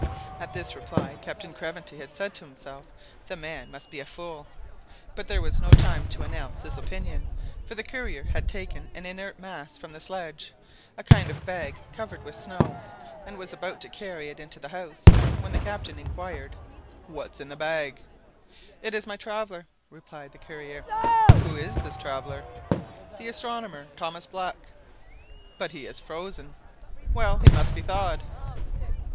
At this reply, Captain Craventy said to himself the man must be a fool. But there was no time to announce this opinion, for the courier had taken an inert mass from the sledge, a kind of bag covered with snow, and was about to carry it into the house, when the Captain inquired "What is that bag?" "It is my traveller," replied the courier. "Who is this traveller?" "The astronomer, Thomas Black." "But he is frozen." "Well, he must be thawed."